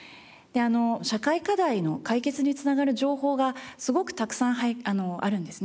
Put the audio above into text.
社会課題の解決に繋がる情報がすごくたくさんあるんですね。